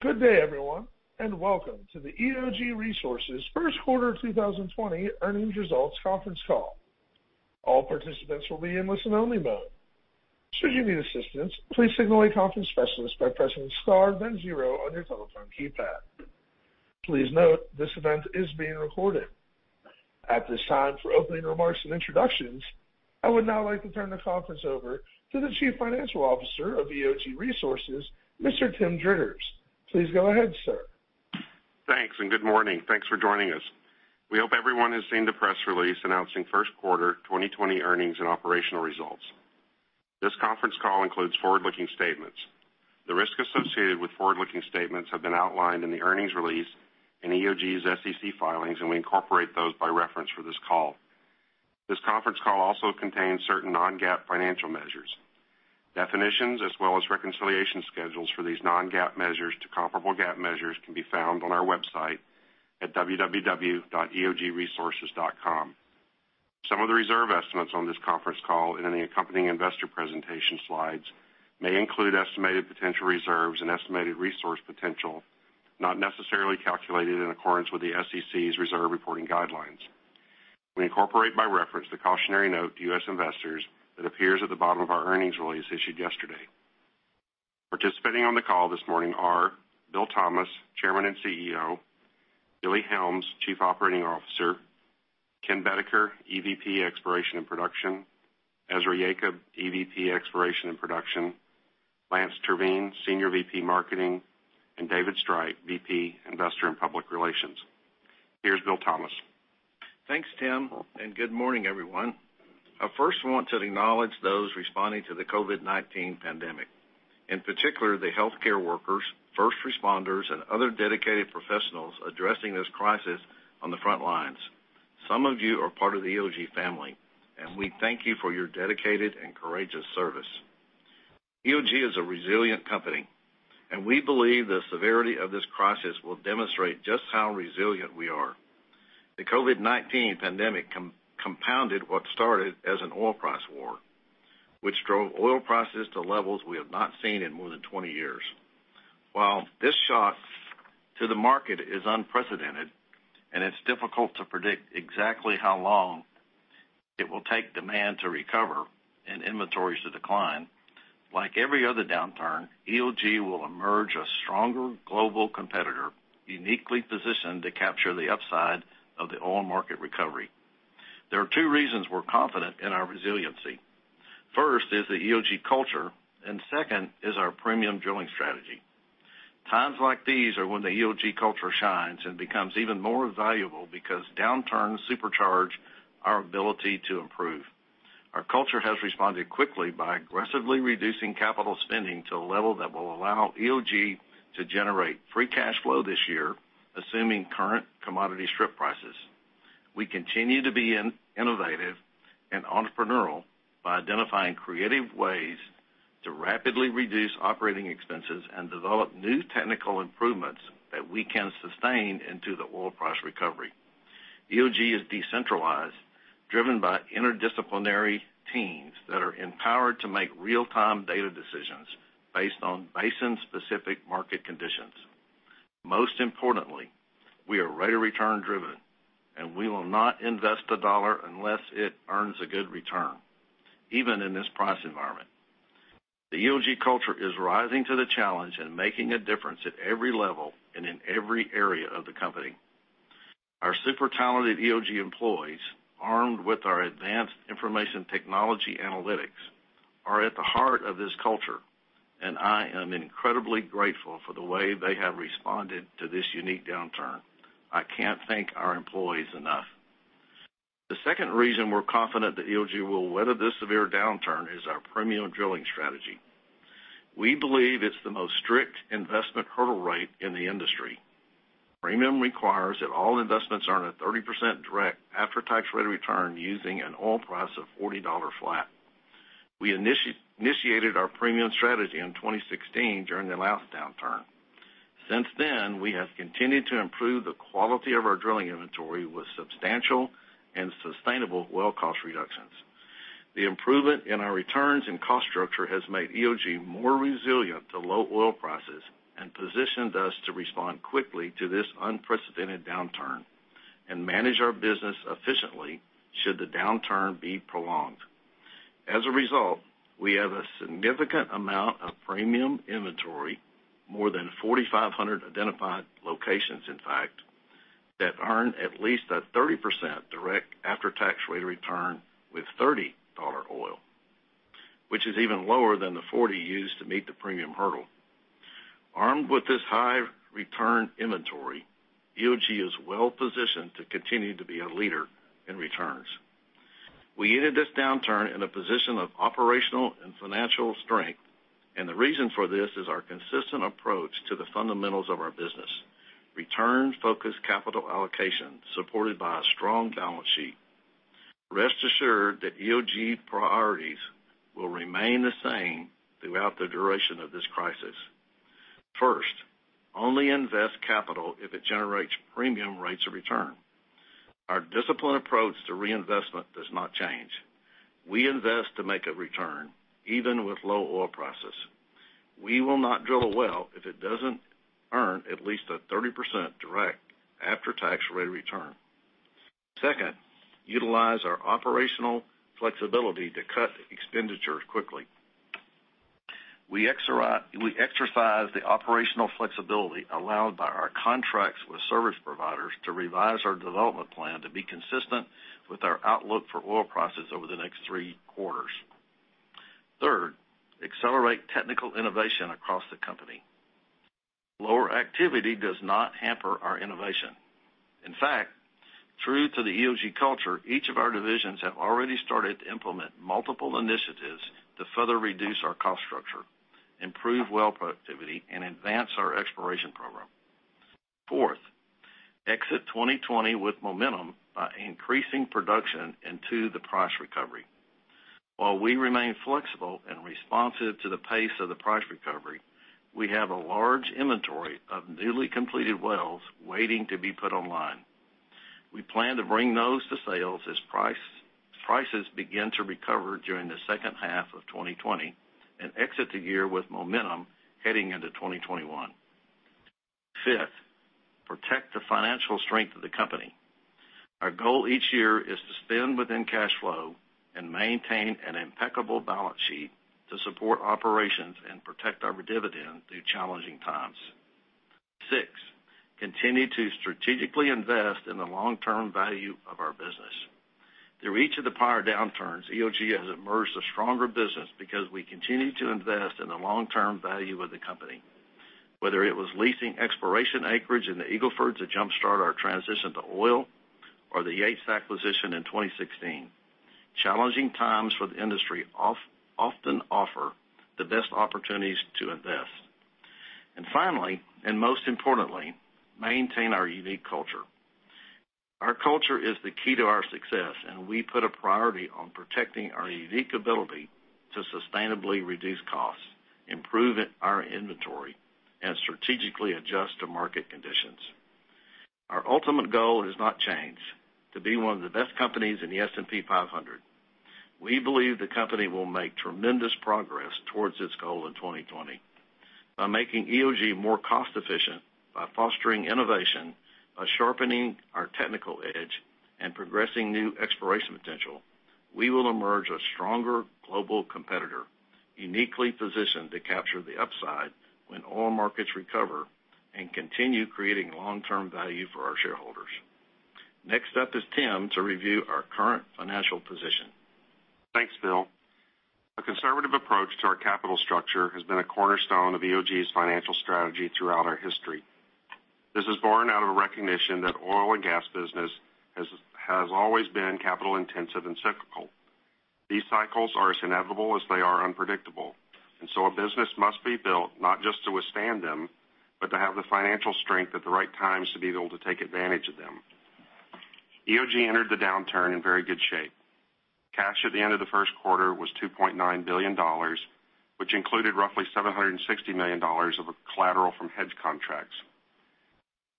Good day, everyone, and welcome to the EOG Resources first quarter 2020 earnings results conference call. All participants will be in listen-only mode. Should you need assistance, please signal a conference specialist by pressing star then zero on your telephone keypad. Please note this event is being recorded. At this time, for opening remarks and introductions, I would now like to turn the conference over to the Chief Financial Officer of EOG Resources, Mr. Tim Driggers. Please go ahead, sir. Thanks. Good morning. Thanks for joining us. We hope everyone has seen the press release announcing first quarter 2020 earnings and operational results. This conference call includes forward-looking statements. The risks associated with forward-looking statements have been outlined in the earnings release in EOG's SEC filings. We incorporate those by reference for this call. This conference call also contains certain non-GAAP financial measures. Definitions, as well as reconciliation schedules for these non-GAAP measures to comparable GAAP measures, can be found on our website at www.eogresources.com. Some of the reserve estimates on this conference call and in the accompanying investor presentation slides may include estimated potential reserves and estimated resource potential, not necessarily calculated in accordance with the SEC's reserve reporting guidelines. We incorporate by reference the cautionary note to U.S. investors that appears at the bottom of our earnings release issued yesterday. Participating on the call this morning are Bill Thomas, Chairman and CEO, Billy Helms, Chief Operating Officer, Ken Boedeker, EVP Exploration and Production, Ezra Yacob, EVP Exploration and Production, Lance Terveen, Senior VP Marketing, and David Streit, VP Investor and Public Relations. Here's Bill Thomas. Thanks, Tim. Good morning, everyone. I first want to acknowledge those responding to the COVID-19 pandemic, in particular, the healthcare workers, first responders, and other dedicated professionals addressing this crisis on the front lines. Some of you are part of the EOG family, and we thank you for your dedicated and courageous service. EOG is a resilient company, and we believe the severity of this crisis will demonstrate just how resilient we are. The COVID-19 pandemic compounded what started as an oil price war, which drove oil prices to levels we have not seen in more than 20 years. While this shock to the market is unprecedented, and it's difficult to predict exactly how long it will take demand to recover and inventories to decline, like every other downturn, EOG will emerge a stronger global competitor, uniquely positioned to capture the upside of the oil market recovery. There are two reasons we're confident in our resiliency. First is the EOG culture, and second is our Premium drilling strategy. Times like these are when the EOG culture shines and becomes even more valuable because downturns supercharge our ability to improve. Our culture has responded quickly by aggressively reducing capital spending to a level that will allow EOG to generate free cash flow this year, assuming current commodity strip prices. We continue to be innovative and entrepreneurial by identifying creative ways to rapidly reduce operating expenses and develop new technical improvements that we can sustain into the oil price recovery. EOG is decentralized, driven by interdisciplinary teams that are empowered to make real-time data decisions based on basin-specific market conditions. Most importantly, we are rate of return driven, and we will not invest a dollar unless it earns a good return, even in this price environment. The EOG culture is rising to the challenge and making a difference at every level and in every area of the company. Our super talented EOG employees, armed with our advanced information technology analytics, are at the heart of this culture, and I am incredibly grateful for the way they have responded to this unique downturn. I can't thank our employees enough. The second reason we're confident that EOG will weather this severe downturn is our premium drilling strategy. We believe it's the most strict investment hurdle rate in the industry. Premium requires that all investments earn a 30% direct after-tax rate of return using an oil price of $40 flat. We initiated our premium strategy in 2016 during the last downturn. Since then, we have continued to improve the quality of our drilling inventory with substantial and sustainable well cost reductions. The improvement in our returns and cost structure has made EOG more resilient to low oil prices and positioned us to respond quickly to this unprecedented downturn and manage our business efficiently should the downturn be prolonged. As a result, we have a significant amount of Premium inventory, more than 4,500 identified locations, in fact, that earn at least a 30% direct after-tax rate of return with $30 oil, which is even lower than the 40 used to meet the Premium hurdle. Armed with this high return inventory, EOG is well positioned to continue to be a leader in returns. We entered this downturn in a position of operational and financial strength, and the reason for this is our consistent approach to the fundamentals of our business: returns-focused capital allocation supported by a strong balance sheet. Rest assured that EOG priorities will remain the same throughout the duration of this crisis. First, only invest capital if it generates Premium rates of return. Our disciplined approach to reinvestment does not change. We invest to make a return, even with low oil prices. We will not drill a well if it doesn't earn at least a 30% direct after-tax rate of return. Second, utilize our operational flexibility to cut expenditures quickly. We exercise the operational flexibility allowed by our contracts with service providers to revise our development plan to be consistent with our outlook for oil prices over the next three quarters. Third, accelerate technical innovation across the company. Lower activity does not hamper our innovation. In fact, true to the EOG culture, each of our divisions have already started to implement multiple initiatives to further reduce our cost structure, improve well productivity, and advance our exploration program. Fourth, exit 2020 with momentum by increasing production into the price recovery. While we remain flexible and responsive to the pace of the price recovery, we have a large inventory of newly completed wells waiting to be put online. We plan to bring those to sales as prices begin to recover during the second half of 2020 and exit the year with momentum heading into 2021. Fifth, protect the financial strength of the company. Our goal each year is to spend within cash flow and maintain an impeccable balance sheet to support operations and protect our dividend through challenging times. Sixth, continue to strategically invest in the long-term value of our business. Through each of the prior downturns, EOG has emerged a stronger business because we continue to invest in the long-term value of the company. Whether it was leasing exploration acreage in the Eagle Ford to jumpstart our transition to oil, or the Yates acquisition in 2016, challenging times for the industry often offer the best opportunities to invest. Finally, and most importantly, maintain our unique culture. Our culture is the key to our success, and we put a priority on protecting our unique ability to sustainably reduce costs, improve our inventory, and strategically adjust to market conditions. Our ultimate goal has not changed, to be one of the best companies in the S&P 500. We believe the company will make tremendous progress towards this goal in 2020. By making EOG more cost-efficient, by fostering innovation, by sharpening our technical edge, and progressing new exploration potential, we will emerge a stronger global competitor, uniquely positioned to capture the upside when oil markets recover and continue creating long-term value for our shareholders. Next up is Tim to review our current financial position. Thanks, Bill. A conservative approach to our capital structure has been a cornerstone of EOG's financial strategy throughout our history. This is born out of a recognition that oil and gas business has always been capital-intensive and cyclical. These cycles are as inevitable as they are unpredictable. Our business must be built not just to withstand them, but to have the financial strength at the right times to be able to take advantage of them. EOG entered the downturn in very good shape. Cash at the end of the first quarter was $2.9 billion, which included roughly $760 million of collateral from hedge contracts.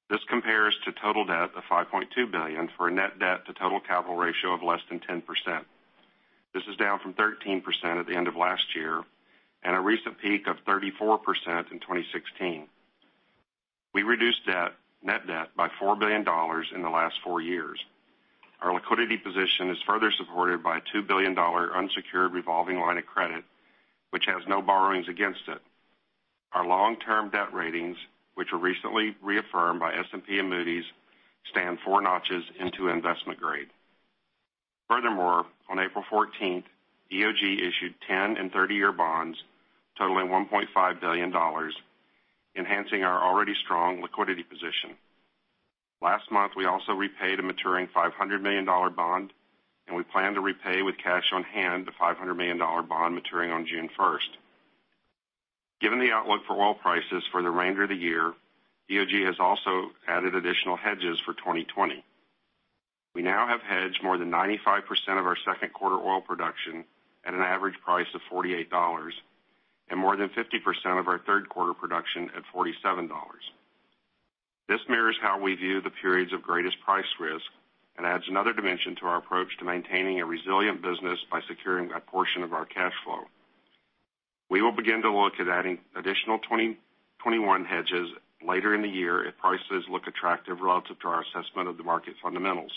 This compares to total debt of $5.2 billion for a net debt to total capital ratio of less than 10%. This is down from 13% at the end of last year and a recent peak of 34% in 2016. We reduced net debt by $4 billion in the last four years. Our liquidity position is further supported by a $2 billion unsecured revolving line of credit, which has no borrowings against it. Our long-term debt ratings, which were recently reaffirmed by S&P and Moody's, stand four notches into investment grade. Furthermore, on April 14th, EOG issued 10 and 30-year bonds totaling $1.5 billion, enhancing our already strong liquidity position. Last month, we also repaid a maturing $500 million bond, and we plan to repay with cash on hand the $500 million bond maturing on June 1st. Given the outlook for oil prices for the remainder of the year, EOG has also added additional hedges for 2020. We now have hedged more than 95% of our second quarter oil production at an average price of $48, and more than 50% of our third quarter production at $47. This mirrors how we view the periods of greatest price risk and adds another dimension to our approach to maintaining a resilient business by securing a portion of our cash flow. We will begin to look at adding additional 2021 hedges later in the year if prices look attractive relative to our assessment of the market fundamentals.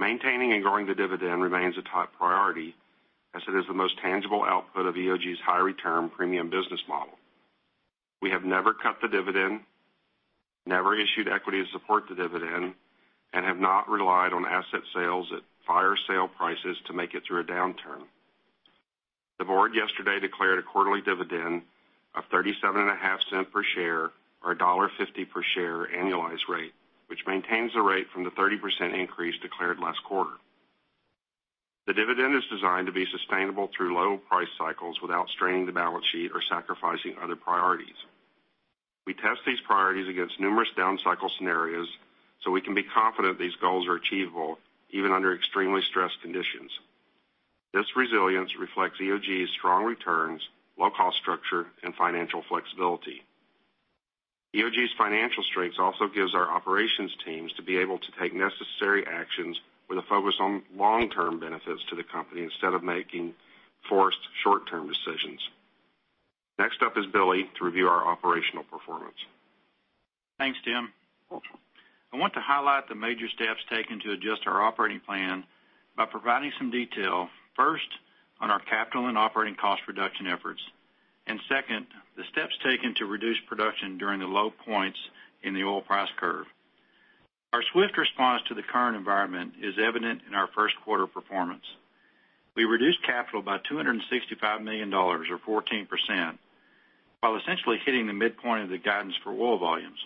Maintaining and growing the dividend remains a top priority, as it is the most tangible output of EOG's high-return Premium business model. We have never cut the dividend, never issued equity to support the dividend, and have not relied on asset sales at fire sale prices to make it through a downturn. The board yesterday declared a quarterly dividend of $0.375 per share or $1.50 per share annualized rate, which maintains the rate from the 30% increase declared last quarter. The dividend is designed to be sustainable through low price cycles without straining the balance sheet or sacrificing other priorities. We test these priorities against numerous down cycle scenarios so we can be confident these goals are achievable even under extremely stressed conditions. This resilience reflects EOG's strong returns, low cost structure, and financial flexibility. EOG's financial strengths also gives our operations teams to be able to take necessary actions with a focus on long-term benefits to the company, instead of making forced short-term decisions. Next up is Billy to review our operational performance. Thanks, Tim. I want to highlight the major steps taken to adjust our operating plan by providing some detail, first on our capital and operating cost reduction efforts, and second, the steps taken to reduce production during the low points in the oil price curve. Our swift response to the current environment is evident in our first quarter performance. We reduced capital by $265 million, or 14%, while essentially hitting the midpoint of the guidance for oil volumes.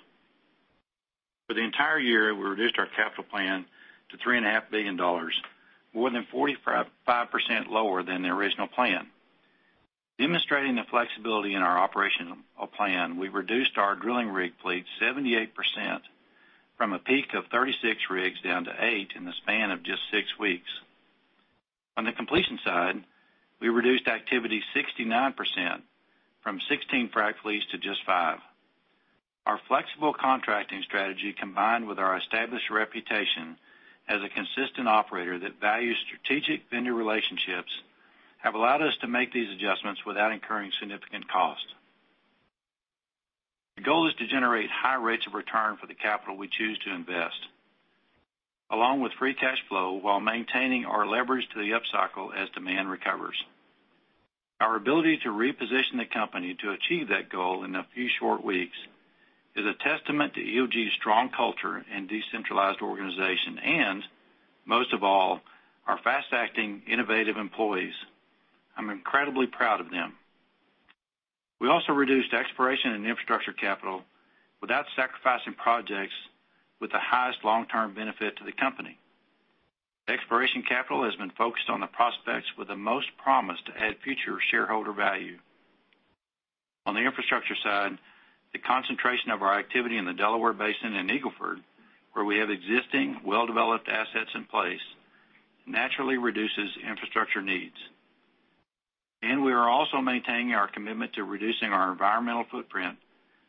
For the entire year, we reduced our capital plan to $3.5 billion, more than 45% lower than the original plan. Demonstrating the flexibility in our operational plan, we reduced our drilling rig fleet 78%, from a peak of 36 rigs down to eight in the span of just six weeks. On the completion side, we reduced activity 69%, from 16 frac fleets to just five. Our flexible contracting strategy, combined with our established reputation as a consistent operator that values strategic vendor relationships, have allowed us to make these adjustments without incurring significant cost. The goal is to generate high rates of return for the capital we choose to invest, along with free cash flow while maintaining our leverage to the upcycle as demand recovers. Our ability to reposition the company to achieve that goal in a few short weeks is a testament to EOG's strong culture and decentralized organization, and most of all, our fast-acting, innovative employees. I'm incredibly proud of them. We also reduced exploration and infrastructure capital without sacrificing projects with the highest long-term benefit to the company. Exploration capital has been focused on the prospects with the most promise to add future shareholder value. On the infrastructure side, the concentration of our activity in the Delaware Basin and Eagle Ford, where we have existing well-developed assets in place, naturally reduces infrastructure needs. We are also maintaining our commitment to reducing our environmental footprint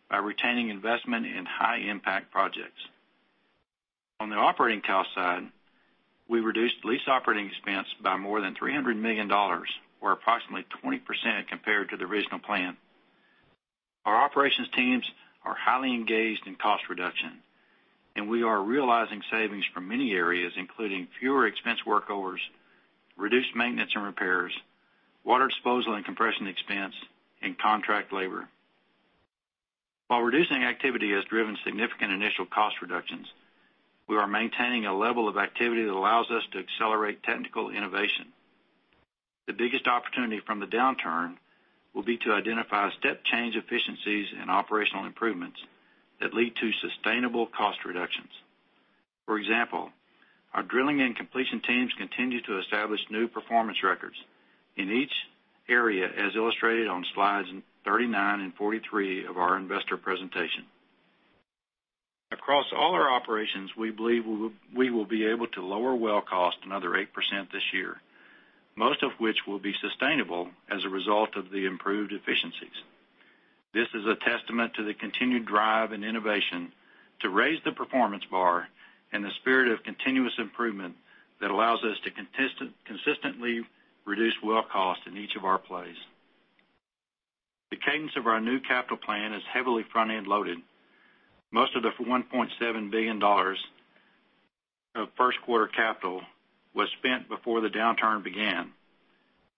by retaining investment in high-impact projects. On the operating cost side, we reduced lease operating expense by more than $300 million, or approximately 20% compared to the original plan. Our operations teams are highly engaged in cost reduction, and we are realizing savings from many areas, including fewer expense workovers, reduced maintenance and repairs, water disposal and compression expense, and contract labor. While reducing activity has driven significant initial cost reductions, we are maintaining a level of activity that allows us to accelerate technical innovation. The biggest opportunity from the downturn will be to identify step change efficiencies and operational improvements that lead to sustainable cost reductions. For example, our drilling and completion teams continue to establish new performance records in each area, as illustrated on slides 39 and 43 of our investor presentation. Across all our operations, we believe we will be able to lower well cost another 8% this year, most of which will be sustainable as a result of the improved efficiencies. This is a testament to the continued drive and innovation to raise the performance bar and the spirit of continuous improvement that allows us to consistently reduce well cost in each of our plays. The cadence of our new capital plan is heavily front-end loaded. Most of the $1.7 billion of first quarter capital was spent before the downturn began.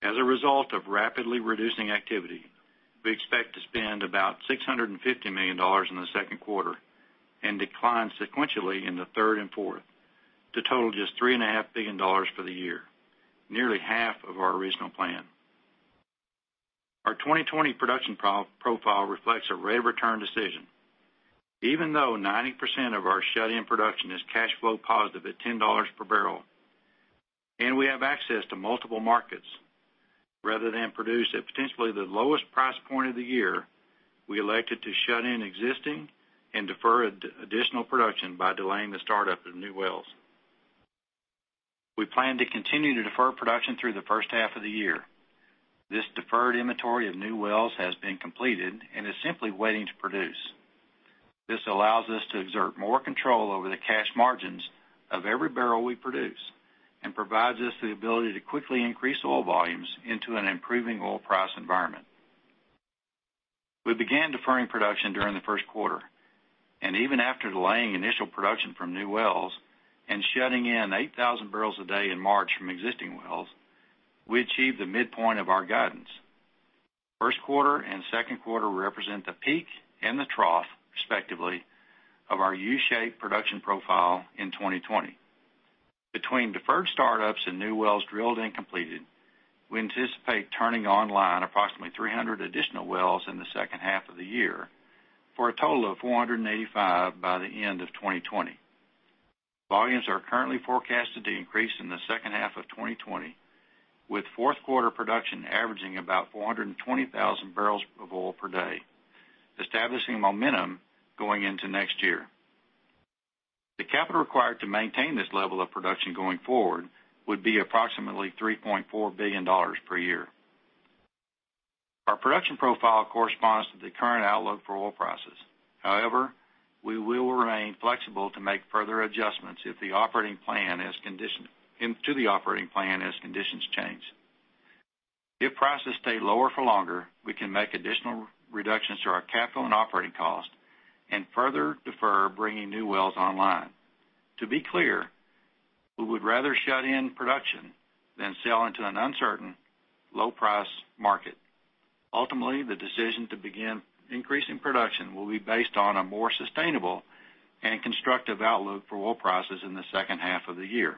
As a result of rapidly reducing activity, we expect to spend about $650 million in the second quarter and decline sequentially in the third and fourth, to total just $3.5 billion for the year, nearly half of our original plan. Our 2020 production profile reflects a rate of return decision. Even though 90% of our shut-in production is cash flow positive at $10 per barrel, and we have access to multiple markets, rather than produce at potentially the lowest price point of the year, we elected to shut in existing and defer additional production by delaying the startup of new wells. We plan to continue to defer production through the first half of the year. This deferred inventory of new wells has been completed and is simply waiting to produce. This allows us to exert more control over the cash margins of every barrel we produce and provides us the ability to quickly increase oil volumes into an improving oil price environment. We began deferring production during the first quarter, and even after delaying initial production from new wells and shutting in 8,000 barrels a day in March from existing wells, we achieved the midpoint of our guidance. First quarter and second quarter represent the peak and the trough, respectively, of our U-shaped production profile in 2020. Between deferred startups and new wells drilled and completed, we anticipate turning online approximately 300 additional wells in the second half of the year for a total of 485 by the end of 2020. Volumes are currently forecasted to increase in the second half of 2020, with fourth quarter production averaging about 420,000 barrels of oil per day, establishing momentum going into next year. The capital required to maintain this level of production going forward would be approximately $3.4 billion per year. Our production profile corresponds to the current outlook for oil prices. However, we will remain flexible to make further adjustments to the operating plan as conditions change. If prices stay lower for longer, we can make additional reductions to our capital and operating costs and further defer bringing new wells online. To be clear, we would rather shut in production than sell into an uncertain low price market. Ultimately, the decision to begin increasing production will be based on a more sustainable and constructive outlook for oil prices in the second half of the year.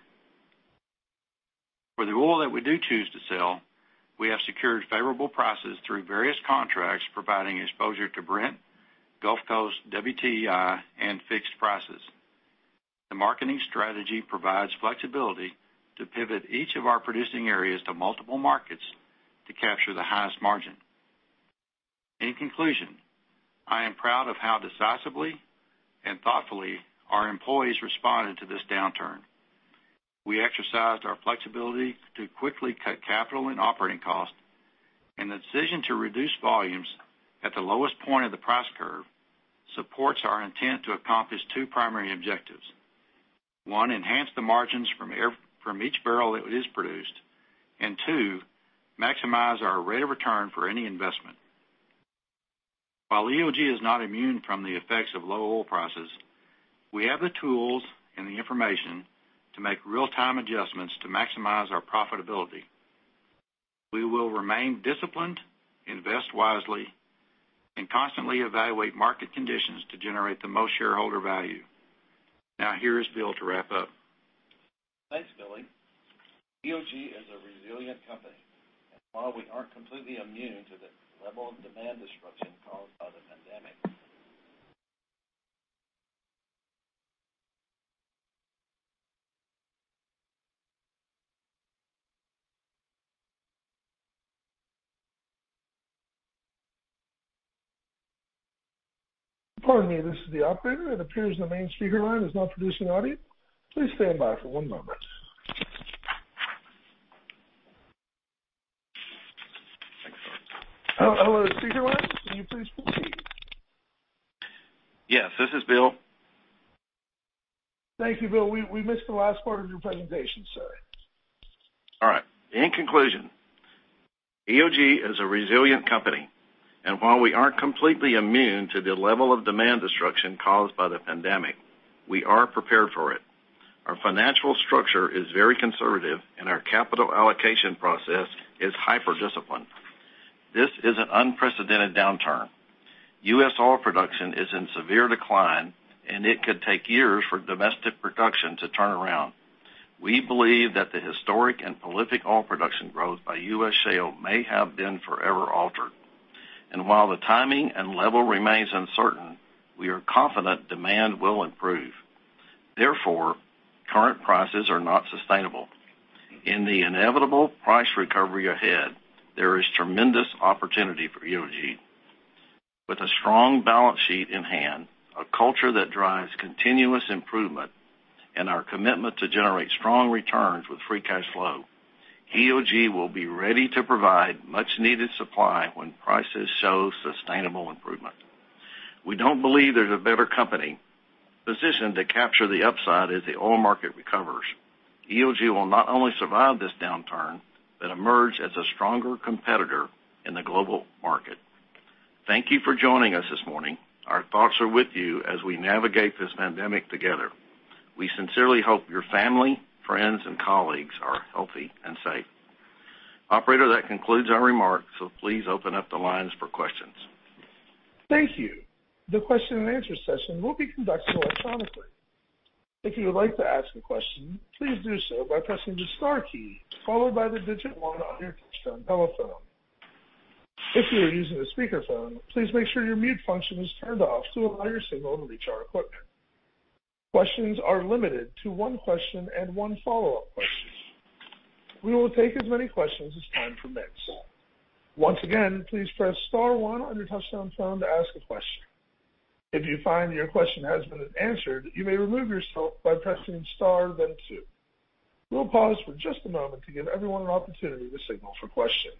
For the oil that we do choose to sell, we have secured favorable prices through various contracts, providing exposure to Brent, Gulf Coast, WTI, and fixed prices. The marketing strategy provides flexibility to pivot each of our producing areas to multiple markets to capture the highest margin. In conclusion, I am proud of how decisively and thoughtfully our employees responded to this downturn. We exercised our flexibility to quickly cut capital and operating costs, and the decision to reduce volumes at the lowest point of the price curve supports our intent to accomplish two primary objectives. One, enhance the margins from each barrel that is produced, and two, maximize our rate of return for any investment. While EOG is not immune from the effects of low oil prices, we have the tools and the information to make real-time adjustments to maximize our profitability. We will remain disciplined, invest wisely, and constantly evaluate market conditions to generate the most shareholder value. Here is Bill to wrap up. Thanks, Billy. EOG is a resilient company, and while we aren't completely immune to the level of demand disruption caused by the pandemic. Pardon me. This is the operator. It appears the main speaker line is not producing audio. Please stand by for one moment. Hello, speaker line, can you please proceed? Yes, this is Bill. Thank you, Bill. We missed the last part of your presentation, sir. All right. In conclusion, EOG is a resilient company, and while we aren't completely immune to the level of demand destruction caused by the pandemic, we are prepared for it. Our financial structure is very conservative, and our capital allocation process is hyper-disciplined. This is an unprecedented downturn. U.S. oil production is in severe decline, and it could take years for domestic production to turn around. We believe that the historic and prolific oil production growth by U.S. shale may have been forever altered. While the timing and level remains uncertain, we are confident demand will improve. Therefore, current prices are not sustainable. In the inevitable price recovery ahead, there is tremendous opportunity for EOG. With a strong balance sheet in hand, a culture that drives continuous improvement, and our commitment to generate strong returns with free cash flow, EOG will be ready to provide much needed supply when prices show sustainable improvement. We don't believe there's a better company positioned to capture the upside as the oil market recovers. EOG will not only survive this downturn but emerge as a stronger competitor in the global market. Thank you for joining us this morning. Our thoughts are with you as we navigate this pandemic together. We sincerely hope your family, friends, and colleagues are healthy and safe. Operator, that concludes our remarks, so please open up the lines for questions. Thank you. The question and answer session will be conducted electronically. If you would like to ask a question, please do so by pressing the star key, followed by the digit one on your touchtone telephone. If you are using a speakerphone, please make sure your mute function is turned off to allow your signal to reach our equipment. Questions are limited to one question and one follow-up question. We will take as many questions as time permits. Once again, please press star one on your touchtone phone to ask a question. If you find your question has been answered, you may remove yourself by pressing star, then two. We'll pause for just a moment to give everyone an opportunity to signal for questions.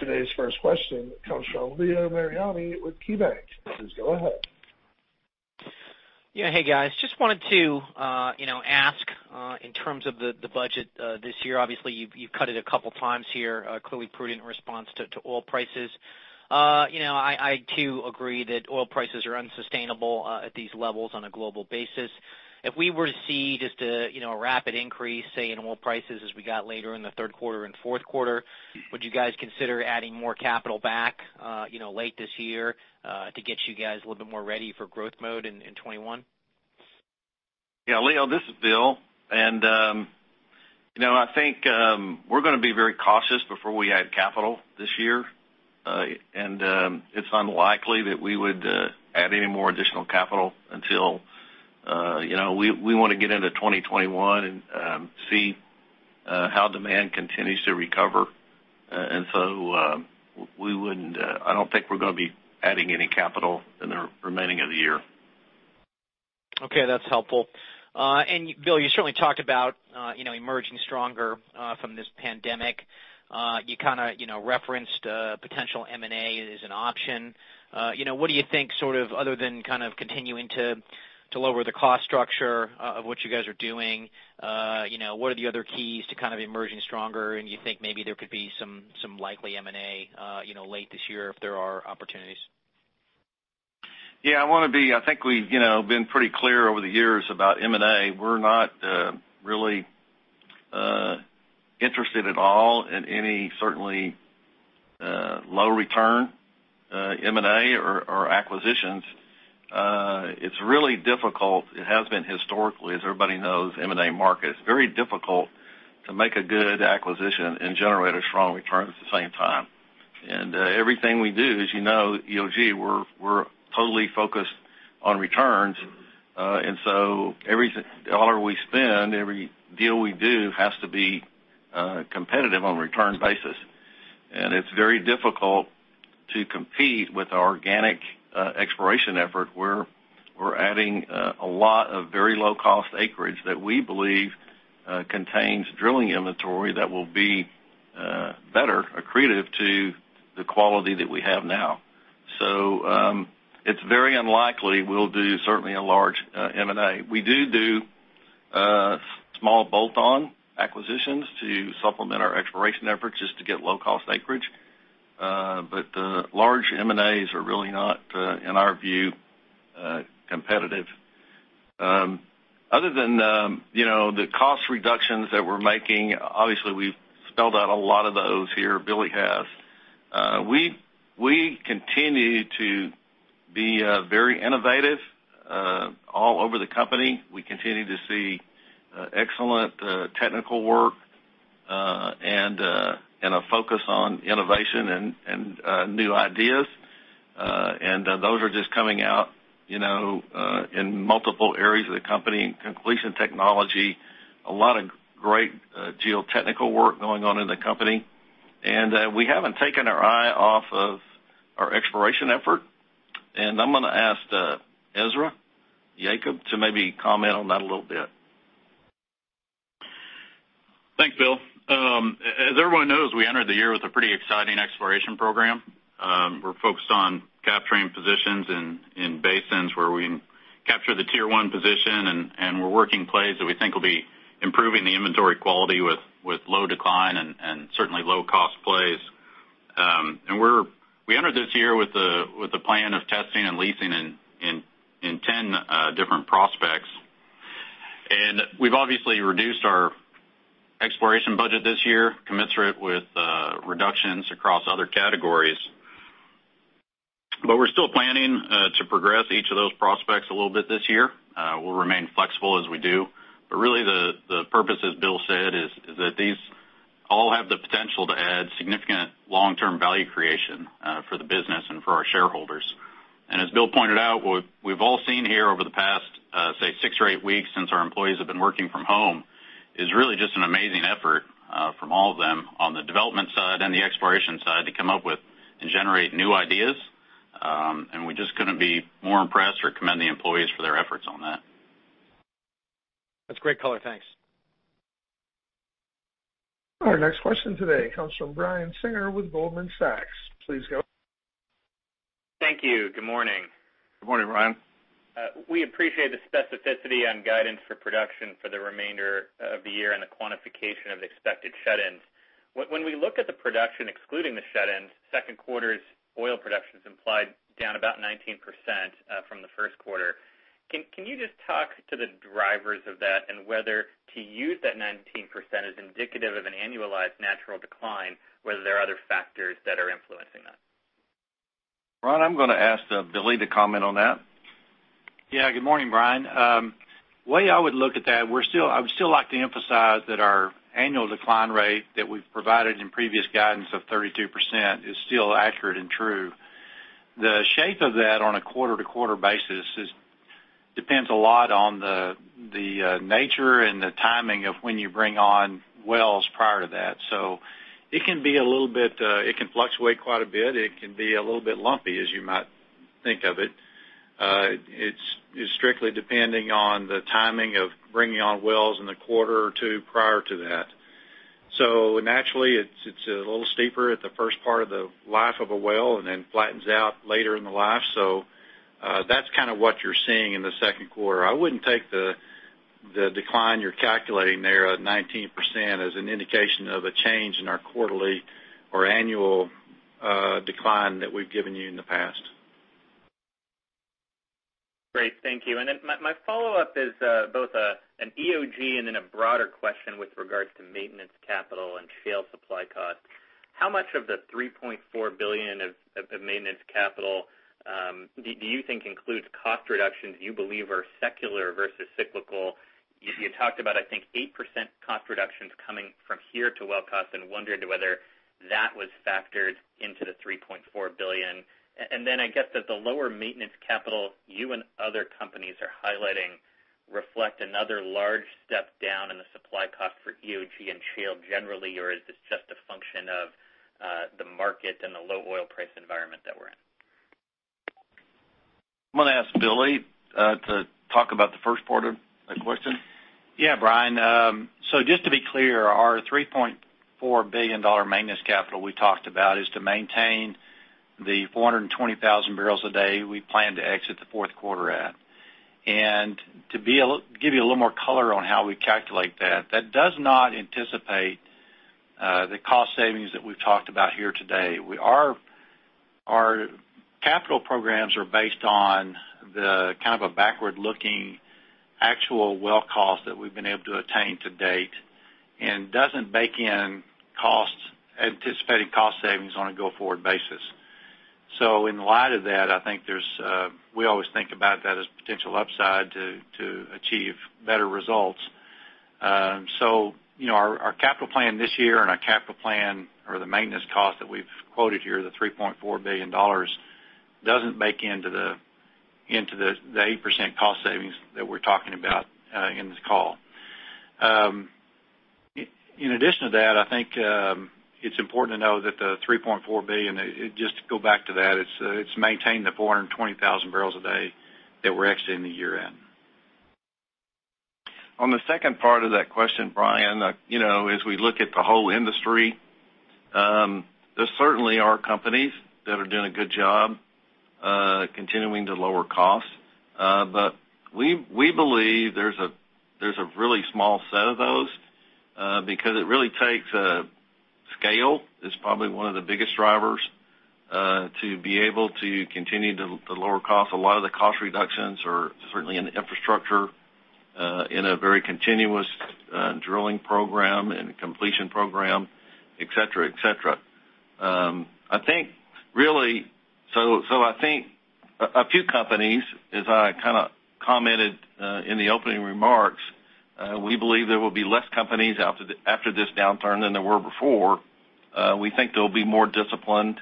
Today's first question comes from Leo Mariani with KeyBanc. Please go ahead. Yeah. Hey, guys. Just wanted to ask in terms of the budget this year. You've cut it a couple of times here, clearly prudent response to oil prices. I too agree that oil prices are unsustainable at these levels on a global basis. If we were to see just a rapid increase, say, in oil prices as we got later in the third quarter and fourth quarter, would you guys consider adding more capital back late this year to get you guys a little bit more ready for growth mode in 2021? Yeah, Leo, this is Bill. I think we're going to be very cautious before we add capital this year. It's unlikely that we would add any more additional capital until we want to get into 2021 and see. How demand continues to recover. I don't think we're going to be adding any capital in the remaining of the year. Okay, that's helpful. Bill, you certainly talked about emerging stronger from this pandemic. You referenced potential M&A as an option. What do you think, other than continuing to lower the cost structure of what you guys are doing, what are the other keys to emerging stronger? Do you think maybe there could be some likely M&A late this year if there are opportunities? I think we've been pretty clear over the years about M&A. We're not really interested at all in any certainly low return M&A or acquisitions. It's really difficult, it has been historically, as everybody knows, M&A market, it's very difficult to make a good acquisition and generate a strong return at the same time. Everything we do, as you know, EOG, we're totally focused on returns. Every dollar we spend, every deal we do, has to be competitive on a return basis. It's very difficult to compete with our organic exploration effort, where we're adding a lot of very low-cost acreage that we believe contains drilling inventory that will be better accretive to the quality that we have now. It's very unlikely we'll do certainly a large M&A. We do small bolt-on acquisitions to supplement our exploration efforts just to get low-cost acreage. Large M&As are really not, in our view, competitive. Other than the cost reductions that we're making, obviously we've spelled out a lot of those here, Billy has. We continue to be very innovative all over the company. We continue to see excellent technical work and a focus on innovation and new ideas. Those are just coming out in multiple areas of the company. In completion technology, a lot of great geotechnical work going on in the company. We haven't taken our eye off of our exploration effort. I'm going to ask Ezra Yacob to maybe comment on that a little bit. Thanks, Bill. As everyone knows, we entered the year with a pretty exciting exploration program. We're focused on capturing positions in basins where we can capture the tier 1 position, and we're working plays that we think will be improving the inventory quality with low decline and certainly low-cost plays. We entered this year with the plan of testing and leasing in 10 different prospects. We've obviously reduced our exploration budget this year, commensurate with reductions across other categories. We're still planning to progress each of those prospects a little bit this year. We'll remain flexible as we do. Really the purpose, as Bill said, is that these all have the potential to add significant long-term value creation for the business and for our shareholders. As Bill pointed out, what we've all seen here over the past, say, six or eight weeks since our employees have been working from home, is really just an amazing effort from all of them on the development side and the exploration side to come up with and generate new ideas. We just couldn't be more impressed or commend the employees for their efforts on that. That's great color. Thanks. Our next question today comes from Brian Singer with Goldman Sachs. Please go ahead. Thank you. Good morning. Good morning, Brian. We appreciate the specificity on guidance for production for the remainder of the year and the quantification of the expected shut-ins. When we look at the production, excluding the shut-ins, second quarter's oil production's implied down about 19% from the first quarter. Can you just talk to the drivers of that and whether to use that 19% as indicative of an annualized natural decline, or whether there are other factors that are influencing that? Brian, I'm going to ask Billy to comment on that. Good morning, Brian. The way I would look at that, I would still like to emphasize that our annual decline rate that we've provided in previous guidance of 32% is still accurate and true. It can fluctuate quite a bit. It can be a little bit lumpy, as you might think of it. It's strictly depending on the timing of bringing on wells in the quarter or two prior to that. Naturally, it's a little steeper at the first part of the life of a well and then flattens out later in the life. That's what you're seeing in the second quarter. I wouldn't take the decline you're calculating there of 19% as an indication of a change in our quarterly or annual decline that we've given you in the past. Great. Thank you. My follow-up is both an EOG and then a broader question with regards to maintenance capital and shale supply costs. How much of the $3.4 billion of maintenance capital do you think includes cost reductions you believe are secular versus cyclical? You talked about, I think, 8% cost reductions coming from here to well costs and wondered whether that was factored into the $3.4 billion. I guess that the lower maintenance capital you and other companies are highlighting reflect another large step down in the supply cost for EOG and shale generally, or is this just a function of the market and the low oil price environment that we're in. I'm going to ask Billy to talk about the first part of that question. Yeah, Brian. Just to be clear, our $3.4 billion maintenance capital we talked about is to maintain the 420,000 barrels a day we plan to exit the fourth quarter at. To give you a little more color on how we calculate that does not anticipate the cost savings that we've talked about here today. Our capital programs are based on the kind of a backward-looking actual well cost that we've been able to attain to date and doesn't bake in anticipated cost savings on a go-forward basis. In light of that, we always think about that as potential upside to achieve better results. Our capital plan this year and our capital plan or the maintenance cost that we've quoted here, the $3.4 billion, doesn't bake into the 8% cost savings that we're talking about in this call. In addition to that, I think it's important to know that the $3.4 billion, just to go back to that, it's maintaining the 420,000 barrels a day that we're exiting the year in. On the second part of that question, Brian, as we look at the whole industry, there certainly are companies that are doing a good job continuing to lower costs. We believe there's a really small set of those, because it really takes a scale, is probably one of the biggest drivers, to be able to continue to lower costs. A lot of the cost reductions are certainly in the infrastructure, in a very continuous drilling program, in a completion program, et cetera. I think a few companies, as I kind of commented in the opening remarks, we believe there will be less companies after this downturn than there were before. We think they'll be more disciplined.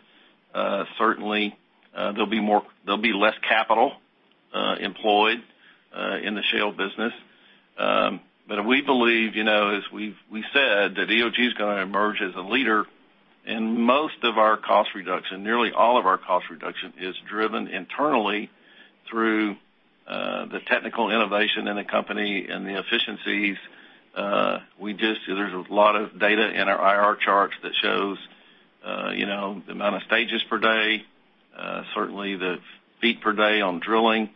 Certainly, there'll be less capital employed in the shale business. We believe, as we've said, that EOG's going to emerge as a leader, and most of our cost reduction, nearly all of our cost reduction, is driven internally through the technical innovation in the company and the efficiencies. There's a lot of data in our IR charts that shows the amount of stages per day, certainly the feet per day on drilling,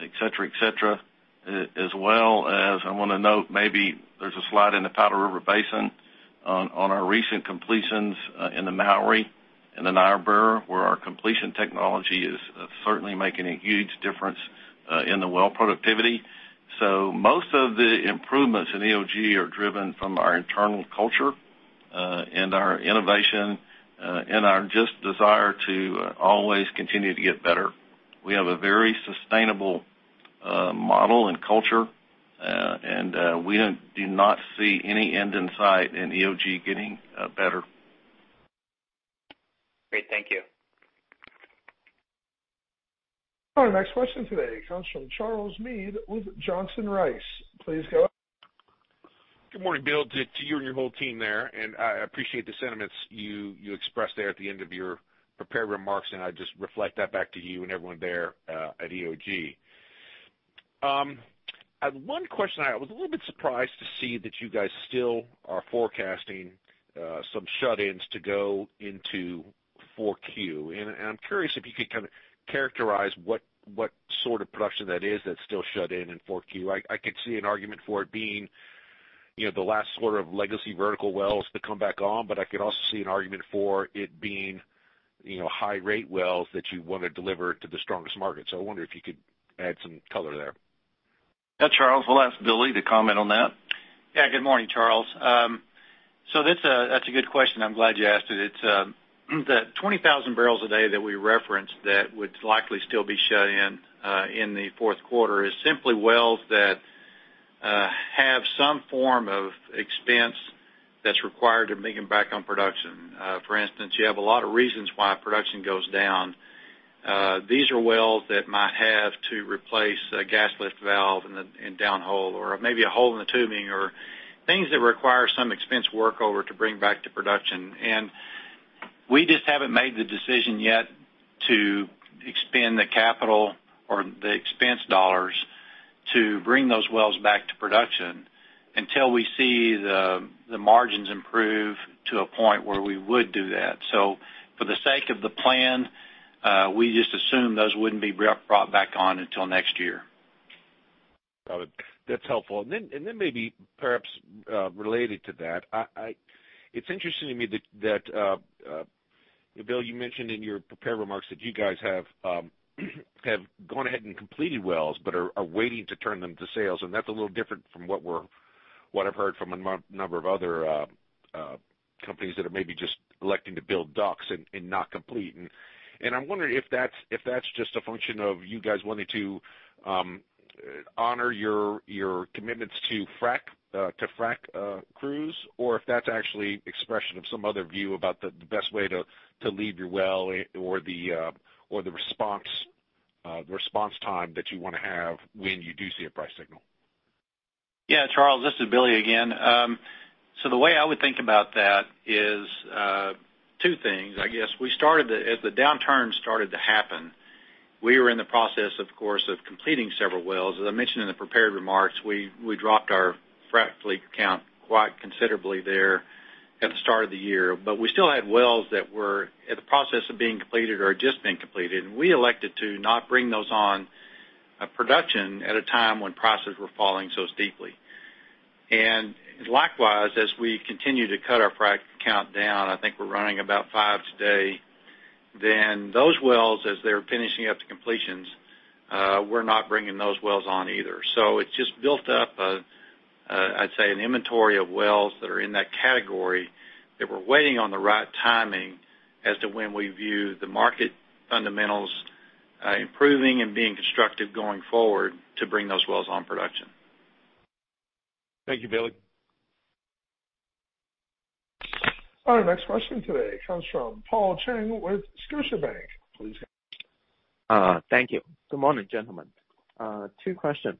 et cetera. As well as, I want to note maybe there's a slide in the Powder River Basin on our recent completions in the Mowry and the Niobrara, where our completion technology is certainly making a huge difference in the well productivity. Most of the improvements in EOG are driven from our internal culture and our innovation and our just desire to always continue to get better. We have a very sustainable model and culture, and we do not see any end in sight in EOG getting better. Great. Thank you. Our next question today comes from Charles Meade with Johnson Rice. Please go ahead. Good morning, Bill, to you and your whole team there, and I appreciate the sentiments you expressed there at the end of your prepared remarks, and I just reflect that back to you and everyone there at EOG. I have one question. I was a little bit surprised to see that you guys still are forecasting some shut-ins to go into 4Q, and I'm curious if you could kind of characterize what sort of production that is that's still shut in in 4Q. I could see an argument for it being the last sort of legacy vertical wells to come back on, but I could also see an argument for it being high-rate wells that you want to deliver to the strongest market. I wonder if you could add some color there. Yeah, Charles, we'll ask Billy to comment on that. Good morning, Charles. That's a good question. I'm glad you asked it. The 20,000 barrels a day that we referenced that would likely still be shut in in the fourth quarter is simply wells that have some form of expense that's required to bring them back on production. For instance, you have a lot of reasons why production goes down. These are wells that might have to replace a gas lift valve in downhole or maybe a hole in the tubing or things that require some expense workover to bring back to production. We just haven't made the decision yet to expend the capital or the expense dollars to bring those wells back to production until we see the margins improve to a point where we would do that. For the sake of the plan, we just assume those wouldn't be brought back on until next year. Got it. That's helpful. Maybe perhaps related to that, it's interesting to me that, Bill, you mentioned in your prepared remarks that you guys have gone ahead and completed wells but are waiting to turn them to sales, and that's a little different from what I've heard from a number of other companies that are maybe just electing to build DUCs and not complete. I'm wondering if that's just a function of you guys wanting to honor your commitments to frac crews, or if that's actually expression of some other view about the best way to leave your well or the response time that you want to have when you do see a price signal? Yeah, Charles, this is Billy again. The way I would think about that is two things, I guess. As the downturn started to happen, we were in the process, of course, of completing several wells. As I mentioned in the prepared remarks, we dropped our frac fleet count quite considerably there at the start of the year. We still had wells that were in the process of being completed or had just been completed, and we elected to not bring those on production at a time when prices were falling so steeply. Likewise, as we continue to cut our frac count down, I think we're running about five today, then those wells, as they're finishing up the completions, we're not bringing those wells on either. It's just built up, I'd say, an inventory of wells that are in that category, that we're waiting on the right timing as to when we view the market fundamentals improving and being constructive going forward to bring those wells on production. Thank you, Billy. Our next question today comes from Paul Cheng with Scotiabank. Please go ahead. Thank you. Good morning, gentlemen. Two questions.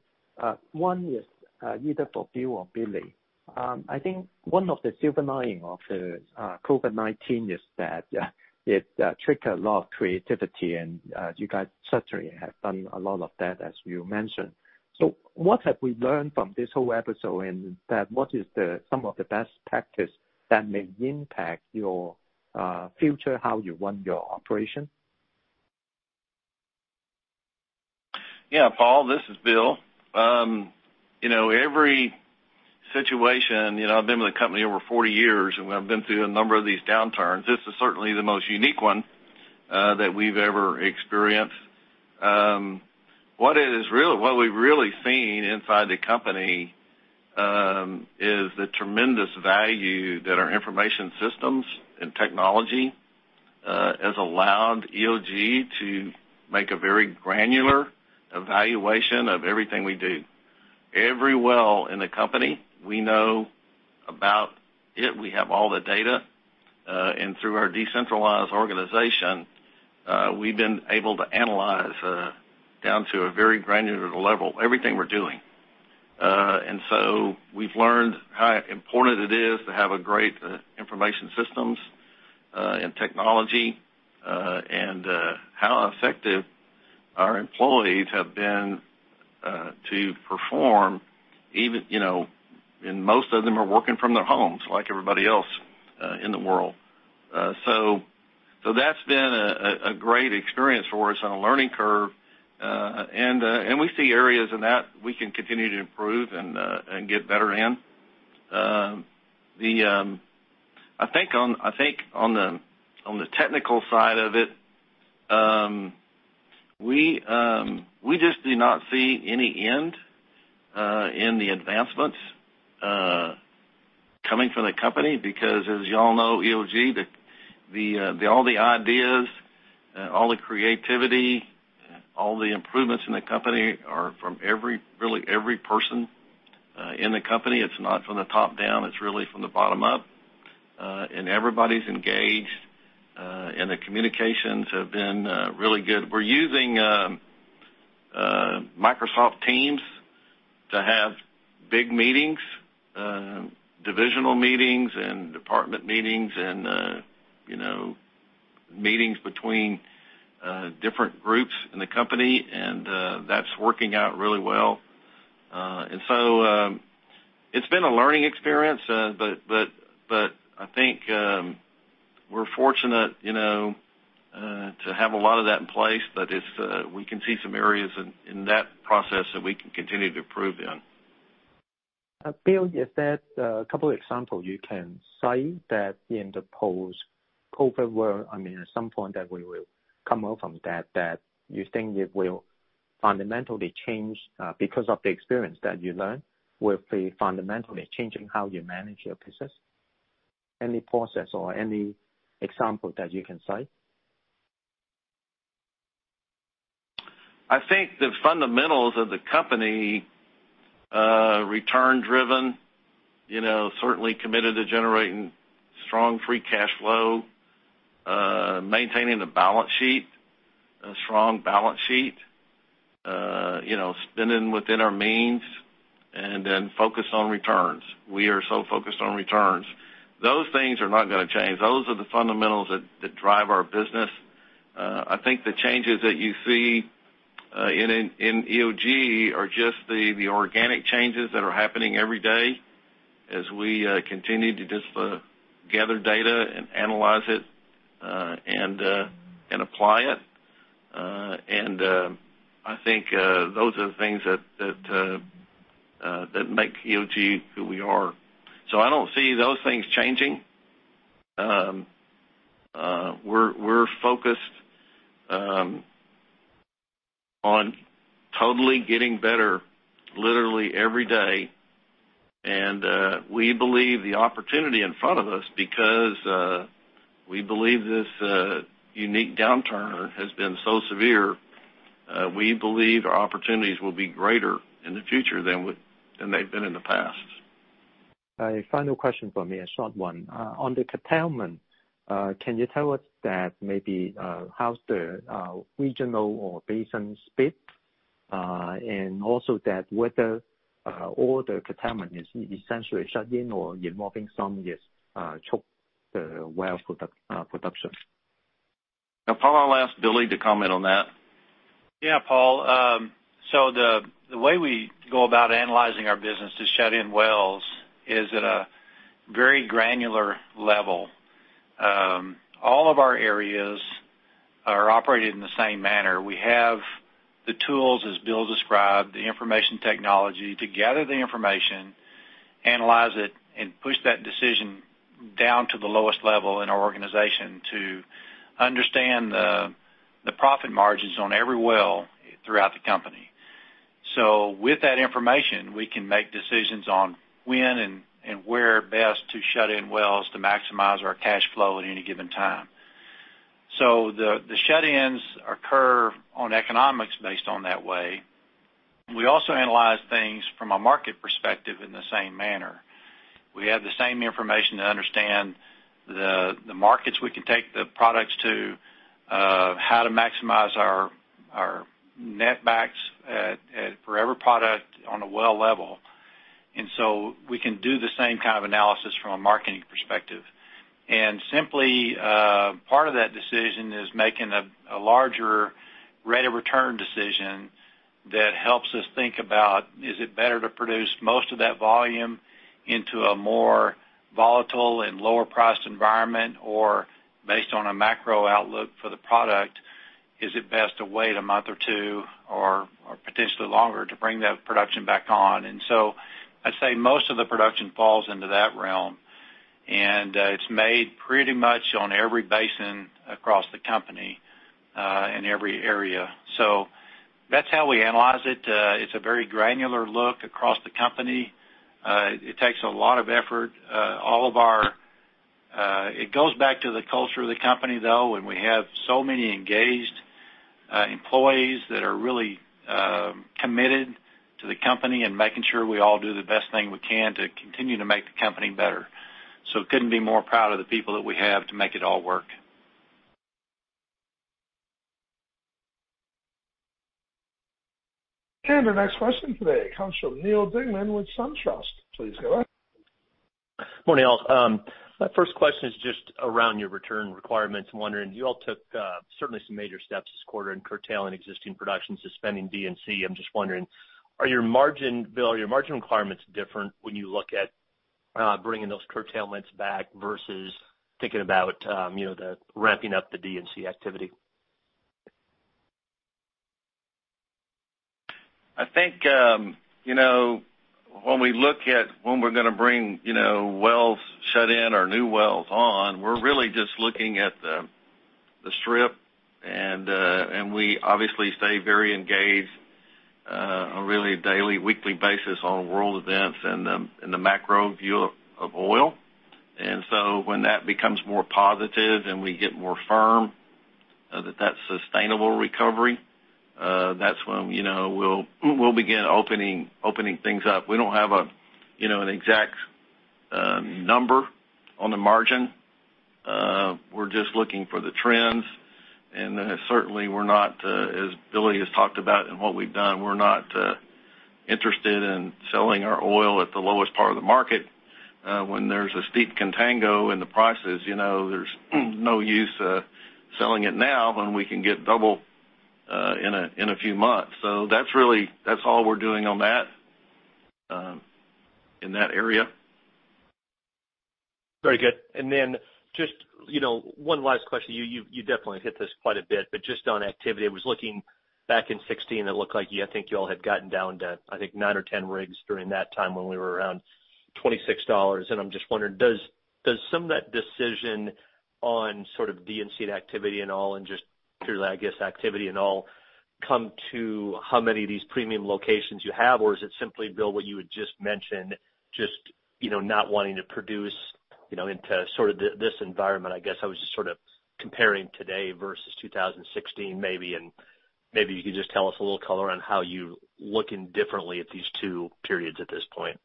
One is either for Bill or Billy. I think one of the silver lining of the COVID-19 is that it triggered a lot of creativity, and you guys certainly have done a lot of that, as you mentioned. What have we learned from this whole episode, and what are some of the best practices that may impact your future, how you run your operation? Yeah. Paul, this is Bill. I've been with the company over 40 years, and I've been through a number of these downturns. This is certainly the most unique one that we've ever experienced. What we've really seen inside the company is the tremendous value that our information systems and technology has allowed EOG to make a very granular evaluation of everything we do. Every well in the company, we know about it. We have all the data. Through our decentralized organization, we've been able to analyze down to a very granular level everything we're doing. We've learned how important it is to have a great information systems and technology, and how effective our employees have been to perform, and most of them are working from their homes like everybody else in the world. That's been a great experience for us on a learning curve. We see areas in that we can continue to improve and get better in. I think on the technical side of it, we just do not see any end in the advancements coming from the company because, as you all know, EOG, all the ideas, all the creativity, all the improvements in the company are from really every person in the company. It's not from the top down, it's really from the bottom up. Everybody's engaged, and the communications have been really good. We're using Microsoft Teams to have big meetings, divisional meetings and department meetings and meetings between different groups in the company, and that's working out really well. It's been a learning experience, but I think we're fortunate to have a lot of that in place, but we can see some areas in that process that we can continue to improve in. Bill, is there a couple of examples you can cite that in the post-COVID world, at some point that we will come out from that you think will fundamentally change because of the experience that you learned, will be fundamentally changing how you manage your business? Any process or any example that you can cite? I think the fundamentals of the company, return driven, certainly committed to generating strong free cash flow, maintaining the balance sheet, a strong balance sheet, spending within our means, and then focus on returns. We are so focused on returns. Those things are not going to change. Those are the fundamentals that drive our business. I think the changes that you see in EOG are just the organic changes that are happening every day as we continue to just gather data and analyze it and apply it. I think those are the things that make EOG who we are. I don't see those things changing. We're focused on totally getting better literally every day. We believe the opportunity in front of us because we believe this unique downturn has been so severe. We believe our opportunities will be greater in the future than they've been in the past. A final question for me, a short one. On the curtailment, can you tell us that maybe how's the regional or basin split? Also that whether all the curtailment is essentially shut in or involving some just choke well production? Now, Paul, I'll ask Billy to comment on that. Paul, the way we go about analyzing our business to shut in wells is at a very granular level. All of our areas are operated in the same manner. We have the tools, as Bill described, the information technology to gather the information, analyze it, and push that decision down to the lowest level in our organization to understand the profit margins on every well throughout the company. With that information, we can make decisions on when and where best to shut in wells to maximize our cash flow at any given time. The shut-ins occur on economics based on that way. We also analyze things from a market perspective in the same manner. We have the same information to understand the markets we can take the products to, how to maximize our net backs at every product on a well level. We can do the same kind of analysis from a marketing perspective. Simply, part of that decision is making a larger rate of return decision that helps us think about, is it better to produce most of that volume into a more volatile and lower priced environment? Based on a macro outlook for the product, is it best to wait a month or two or potentially longer to bring that production back on? I'd say most of the production falls into that realm, and it's made pretty much on every basin across the company, in every area. That's how we analyze it. It's a very granular look across the company. It takes a lot of effort. It goes back to the culture of the company, though, and we have so many engaged employees that are really committed to the company and making sure we all do the best thing we can to continue to make the company better. Couldn't be more proud of the people that we have to make it all work. Our next question today comes from Neal Dingmann with SunTrust. Please go ahead. Morning, all. My first question is just around your return requirements. I'm wondering, you all took certainly some major steps this quarter in curtailing existing production, suspending D&C. I'm just wondering, Bill, are your margin requirements different when you look at bringing those curtailments back versus thinking about the ramping up the D&C activity? I think when we look at when we're going to bring wells shut in or new wells on, we're really just looking at the strip, and we obviously stay very engaged on a really daily, weekly basis on world events and the macro view of oil. When that becomes more positive and we get more firm that that's sustainable recovery, that's when we'll begin opening things up. We don't have an exact number on the margin. We're just looking for the trends. Certainly we're not as Billy has talked about and what we've done, we're not interested in selling our oil at the lowest part of the market. When there's a steep contango in the prices, there's no use selling it now when we can get double in a few months. That's all we're doing on that, in that area. Very good. Then just one last question. You definitely hit this quite a bit, but just on activity, I was looking back in 2016, it looked like you, I think you all had gotten down to, I think, nine or 10 rigs during that time when we were around $26. I'm just wondering, does some of that decision on sort of D&C activity and all, and just purely, I guess, activity and all come to how many of these Premium locations you have? Is it simply, Bill, what you had just mentioned, just not wanting to produce into sort of this environment? I guess I was just sort of comparing today versus 2016 maybe, and maybe you could just tell us a little color on how you're looking differently at these two periods at this point.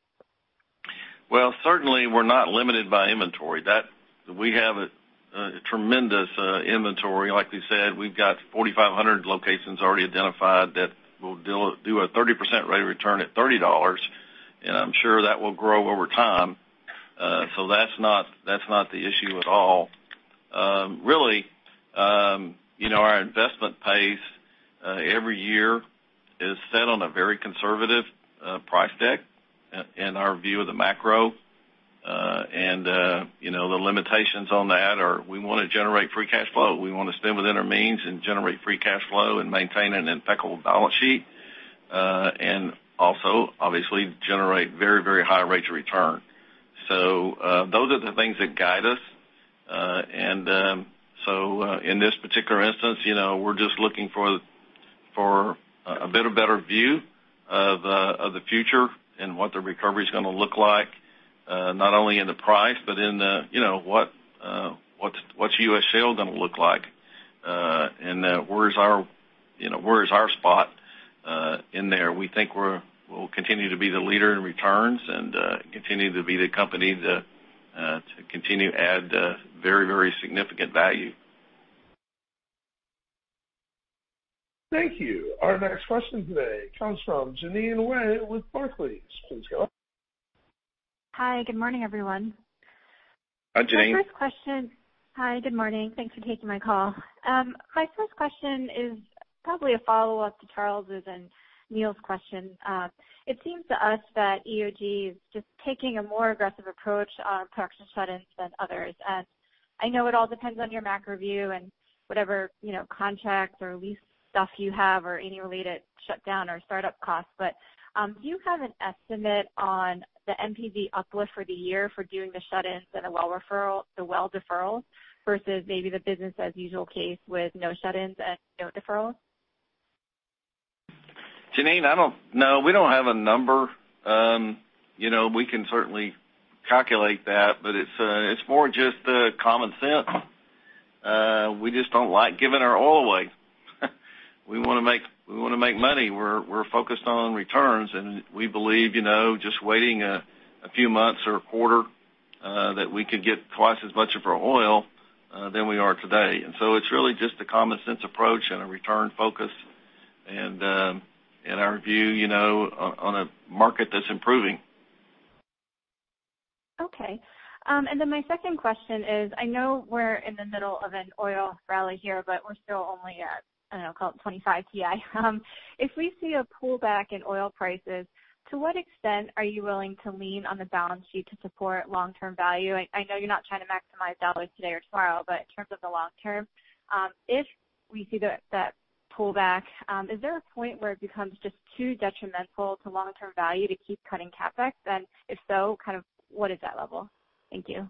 Certainly we're not limited by inventory. We have a tremendous inventory. Like we said, we've got 4,500 locations already identified that will do a 30% rate of return at $30, and I'm sure that will grow over time. That's not the issue at all. Really, our investment pace every year is set on a very conservative price deck in our view of the macro. The limitations on that are we want to generate free cash flow. We want to stay within our means and generate free cash flow and maintain an impeccable balance sheet. Also obviously generate very, very high rates of return. Those are the things that guide us. In this particular instance, we're just looking for a bit of better view of the future and what the recovery's going to look like, not only in the price, but in what's U.S. shale going to look like. Where's our spot in there? We think we'll continue to be the leader in returns and continue to be the company to continue to add very, very significant value. Thank you. Our next question today comes from Jeanine Wai with Barclays. Please go ahead. Hi. Good morning, everyone. Hi, Jeanine. Hi. Good morning. Thanks for taking my call. My first question is probably a follow-up to Charles' and Neal's question. It seems to us that EOG is just taking a more aggressive approach on production shut-ins than others. I know it all depends on your macro view and whatever contracts or lease stuff you have or any related shutdown or startup costs, but do you have an estimate on the NPV uplift for the year for doing the shut-ins and the well deferrals, versus maybe the business as usual case with no shut-ins and no deferrals? Jeanine, No. We don't have a number. We can certainly calculate that, but it's more just common sense. We just don't like giving our oil away. We want to make money. We're focused on returns, and we believe, just waiting a few months or a quarter, that we could get twice as much of our oil than we are today. It's really just a common sense approach and a return focus, and our view on a market that's improving. Okay. My second question is, I know we're in the middle of an oil rally here, but we're still only at, I don't know, call it 25 WTI. If we see a pullback in oil prices, to what extent are you willing to lean on the balance sheet to support long-term value? I know you're not trying to maximize dollars today or tomorrow, but in terms of the long term, if we see that pullback, is there a point where it becomes just too detrimental to long-term value to keep cutting CapEx? If so, what is that level? Thank you.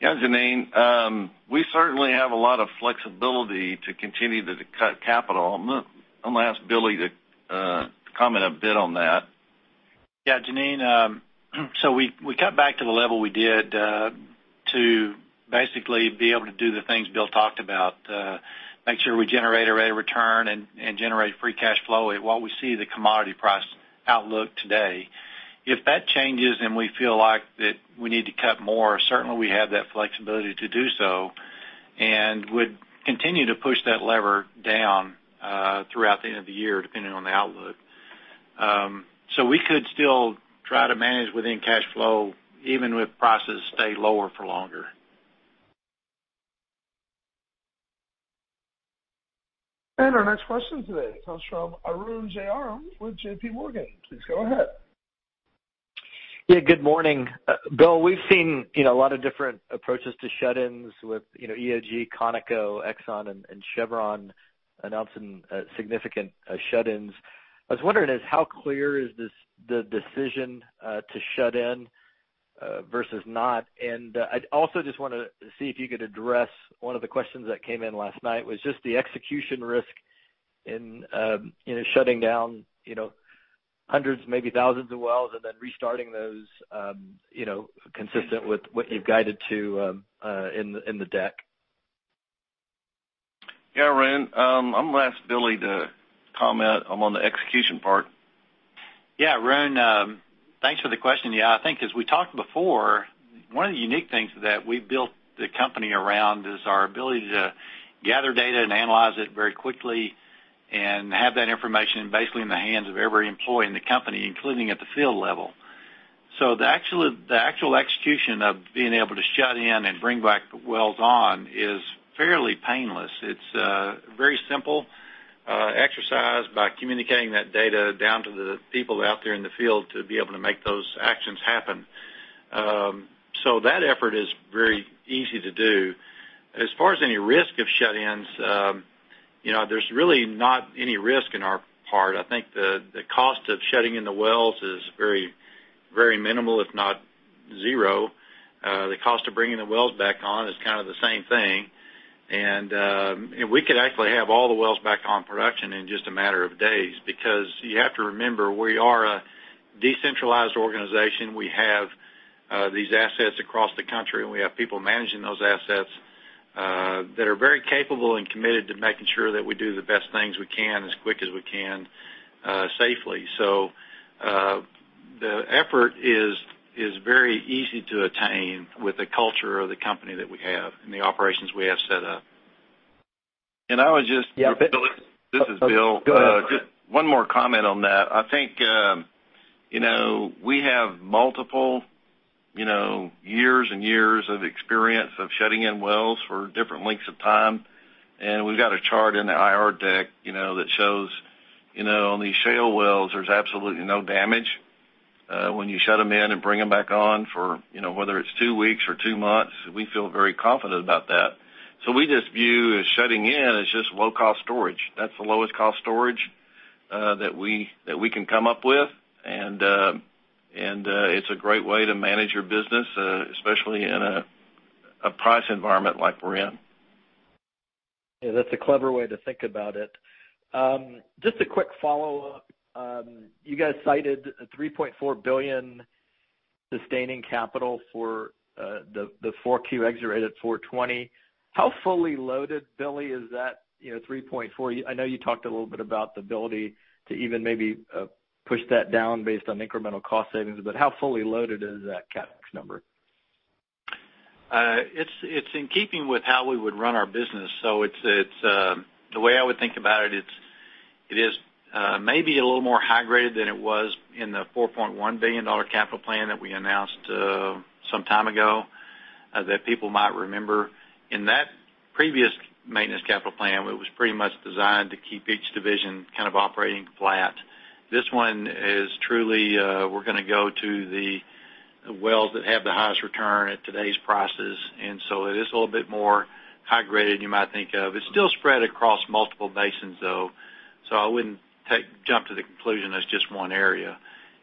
Yeah, Jeanine. We certainly have a lot of flexibility to continue to cut capital. I'm going to ask Billy to comment a bit on that. Yeah, Jeanine. We cut back to the level we did to basically be able to do the things Bill talked about, make sure we generate a rate of return and generate free cash flow while we see the commodity price outlook today. If that changes and we feel like that we need to cut more, certainly we have that flexibility to do so and would continue to push that lever down throughout the end of the year, depending on the outlook. We could still try to manage within cash flow, even if prices stay lower for longer. Our next question today comes from Arun Jayaram with JPMorgan. Please go ahead. Good morning. Bill, we've seen a lot of different approaches to shut-ins with EOG, Conoco, Exxon, and Chevron announcing significant shut-ins. I was wondering is how clear is the decision to shut in versus not? I also just want to see if you could address one of the questions that came in last night, was just the execution risk in shutting down hundreds, maybe thousands of wells and then restarting those consistent with what you've guided to in the deck. Arun. I'm going to ask Billy to comment on the execution part. Arun, thanks for the question. I think as we talked before, one of the unique things that we've built the company around is our ability to gather data and analyze it very quickly and have that information basically in the hands of every employee in the company, including at the field level. The actual execution of being able to shut in and bring back the wells on is fairly painless. It's a very simple exercise by communicating that data down to the people out there in the field to be able to make those actions happen. That effort is very easy to do. As far as any risk of shut-ins, there's really not any risk on our part. I think the cost of shutting in the wells is very minimal, if not zero. The cost of bringing the wells back on is kind of the same thing. We could actually have all the wells back on production in just a matter of days, because you have to remember, we are a decentralized organization. We have these assets across the country, and we have people managing those assets that are very capable and committed to making sure that we do the best things we can as quick as we can safely. The effort is very easy to attain with the culture of the company that we have and the operations we have set up. And I would just- Yeah. Billy. This is Bill. Go ahead. Just one more comment on that. I think we have multiple years and years of experience of shutting in wells for different lengths of time, and we've got a chart in the IR deck that shows on these shale wells, there's absolutely no damage when you shut them in and bring them back on for whether it's two weeks or two months. We feel very confident about that. We just view shutting in as just low-cost storage. That's the lowest cost storage that we can come up with, and it's a great way to manage your business, especially in a price environment like we're in. Yeah, that's a clever way to think about it. Just a quick follow-up. You guys cited a $3.4 billion sustaining capital for the Q4 ex-or rate at 420. How fully loaded, Billy, is that $3.4? I know you talked a little bit about the ability to even maybe push that down based on incremental cost savings, but how fully loaded is that CapEx number? It's in keeping with how we would run our business. The way I would think about it is maybe a little more high-graded than it was in the $4.1 billion capital plan that we announced some time ago, that people might remember. In that previous maintenance capital plan, it was pretty much designed to keep each division kind of operating flat. This one is truly, we're going to go to the wells that have the highest return at today's prices, it is a little bit more high-graded you might think of. It's still spread across multiple basins, though, I wouldn't jump to the conclusion that it's just one area.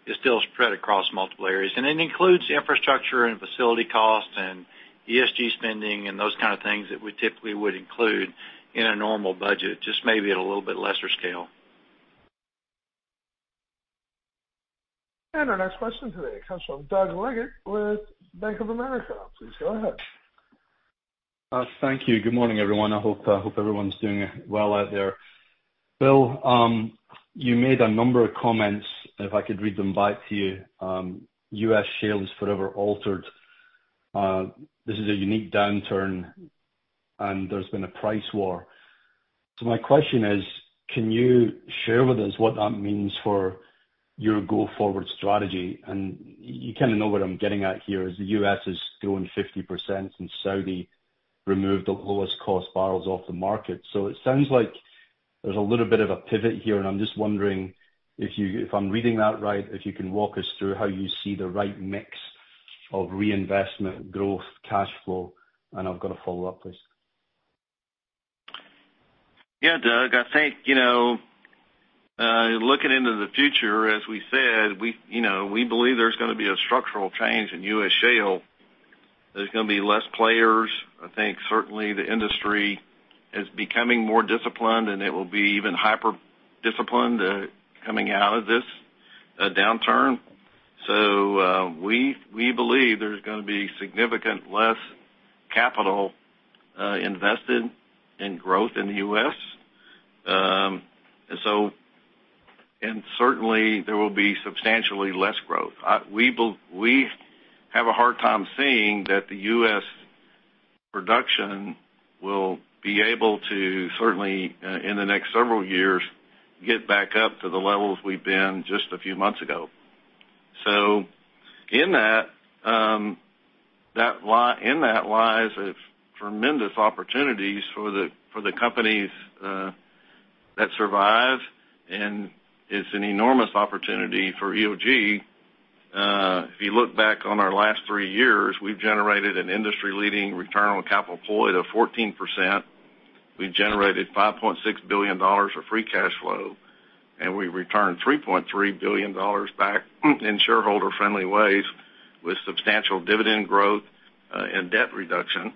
It's still spread across multiple areas. It includes infrastructure and facility costs and ESG spending and those kind of things that we typically would include in a normal budget, just maybe at a little bit lesser scale. Our next question today comes from Doug Leggate with Bank of America. Please go ahead. Thank you. Good morning, everyone. I hope everyone's doing well out there. Bill, you made a number of comments, if I could read them back to you. "U.S. shale is forever altered." "This is a unique downturn," and, "There's been a price war." My question is, can you share with us what that means for your go-forward strategy? You kind of know what I'm getting at here, is the U.S. has grown 50% since Saudi removed the lowest cost barrels off the market. It sounds like there's a little bit of a pivot here, and I'm just wondering if I'm reading that right, if you can walk us through how you see the right mix of reinvestment, growth, cash flow, and I've got a follow-up, please. Yeah, Doug. I think, looking into the future, as we said, we believe there's going to be a structural change in U.S. shale. There's going to be less players. I think certainly the industry is becoming more disciplined, and it will be even hyper-disciplined coming out of this downturn. We believe there's going to be significant less capital invested in growth in the U.S. Certainly, there will be substantially less growth. We have a hard time seeing that the U.S. production will be able to, certainly in the next several years, get back up to the levels we've been just a few months ago. In that lies a tremendous opportunities for the companies that survive, and it's an enormous opportunity for EOG. If you look back on our last three years, we've generated an industry-leading return on capital employed of 14%. We've generated $5.6 billion of free cash flow, and we returned $3.3 billion back in shareholder-friendly ways with substantial dividend growth and debt reduction.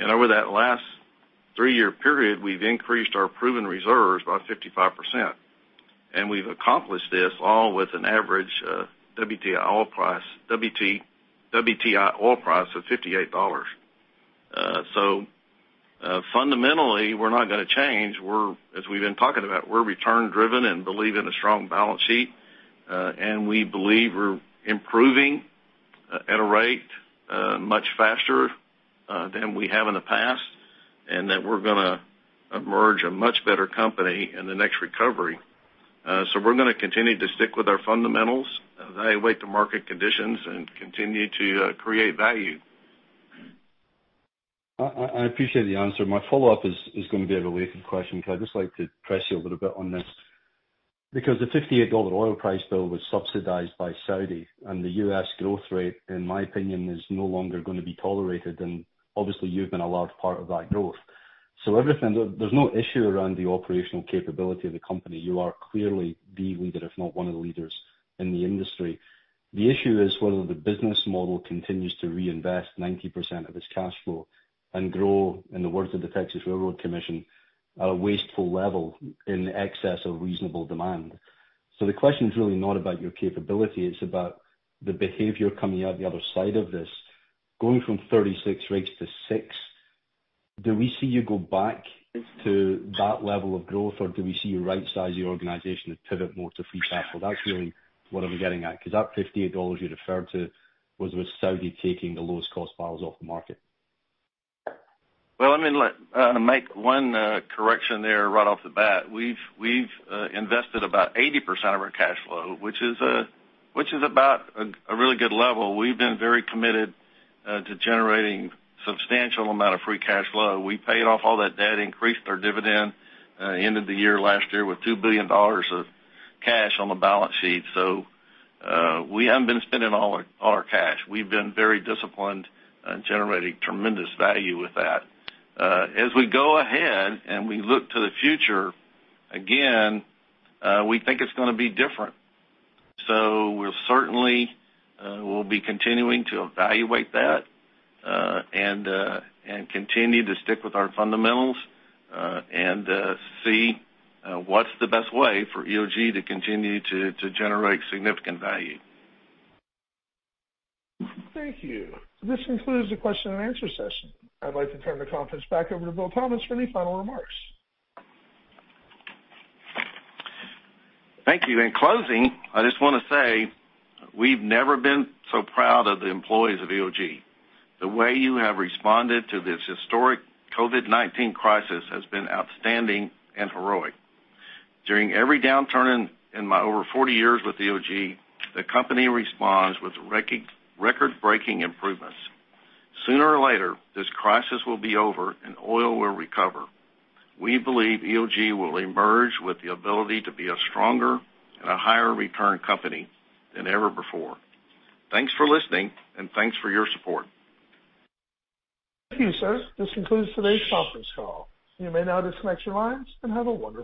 Over that last three-year period, we've increased our proven reserves by 55%, and we've accomplished this all with an average WTI oil price of $58. Fundamentally, we're not going to change. As we've been talking about, we're return-driven and believe in a strong balance sheet, and we believe we're improving at a rate much faster than we have in the past, and that we're going to emerge a much better company in the next recovery. We're going to continue to stick with our fundamentals, evaluate the market conditions, and continue to create value. I appreciate the answer. My follow-up is going to be a related question, because I'd just like to press you a little bit on this. The $58 oil price, Bill, was subsidized by Saudi, and the U.S. growth rate, in my opinion, is no longer going to be tolerated, and obviously you've been a large part of that growth. There's no issue around the operational capability of the company. You are clearly the leader, if not one of the leaders in the industry. The issue is whether the business model continues to reinvest 90% of its cash flow and grow, in the words of the Texas Railroad Commission, "at a wasteful level in excess of reasonable demand." The question's really not about your capability, it's about the behavior coming out the other side of this. Going from 36 rigs to six, do we see you go back to that level of growth, or do we see you rightsize your organization and pivot more to free cash flow? That's really what I'm getting at, because that $58 you referred to was with Saudi taking the lowest cost barrels off the market. Well, let me make one correction there right off the bat. We've invested about 80% of our cash flow, which is about a really good level. We've been very committed to generating substantial amount of free cash flow. We paid off all that debt, increased our dividend, ended the year last year with $2 billion of cash on the balance sheet. We haven't been spending all our cash. We've been very disciplined and generating tremendous value with that. As we go ahead and we look to the future, again, we think it's going to be different. We certainly will be continuing to evaluate that, and continue to stick with our fundamentals, and see what's the best way for EOG to continue to generate significant value. Thank you. This concludes the question and answer session. I'd like to turn the conference back over to Bill Thomas for any final remarks. Thank you. In closing, I just want to say we've never been so proud of the employees of EOG. The way you have responded to this historic COVID-19 crisis has been outstanding and heroic. During every downturn in my over 40 years with EOG, the company responds with record-breaking improvements. Sooner or later, this crisis will be over and oil will recover. We believe EOG will emerge with the ability to be a stronger and a higher return company than ever before. Thanks for listening, and thanks for your support. Thank you, sir. This concludes today's conference call. You may now disconnect your lines and have a wonderful day.